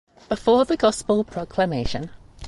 Before the Gospel Proclamation: